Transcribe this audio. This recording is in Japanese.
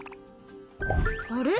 あれ？